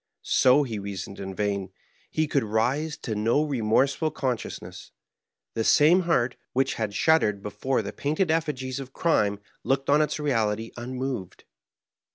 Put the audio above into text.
So he reasoned in vain ; he could rise to no remorseful con sciousness ; the same heart, which had shuddered before the painted effigies of crime, looked on its reality un moved.